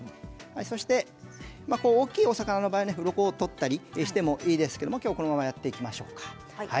そして大きなお魚の場合うろこを取ったりしてもいいですけれども、きょうはこのままやっていきましょうか。